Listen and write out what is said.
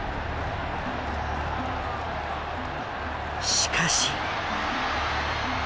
しかし。